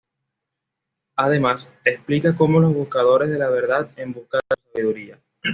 Además, explica cómo los buscadores de la verdad en busca de su sabiduría.